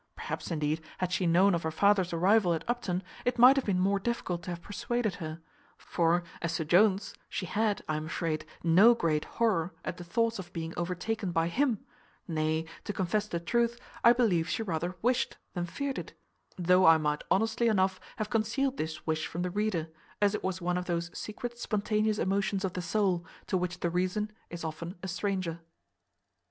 Perhaps, indeed, had she known of her father's arrival at Upton, it might have been more difficult to have persuaded her; for as to Jones, she had, I am afraid, no great horror at the thoughts of being overtaken by him; nay, to confess the truth, I believe she rather wished than feared it; though I might honestly enough have concealed this wish from the reader, as it was one of those secret spontaneous emotions of the soul to which the reason is often a stranger.